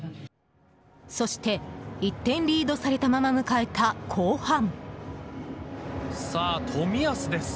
そして１点リードされたまま迎えた後半。